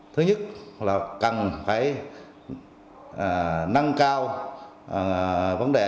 thứ nhất là cần phải năng lượng cần phải năng lượng cần phải năng lượng